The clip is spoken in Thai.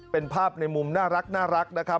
เป็นภาพในมุมน่ารักนะครับ